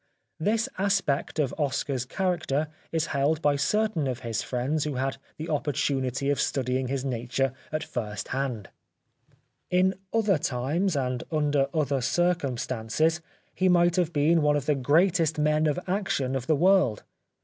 This aspect of Oscar's character is held by certain of his friends who had the op portunity of studying his nature at first hand. In other times and under other circumstances 139 The Life of Oscar Wilde he might have been one of the greatest men of action of the world.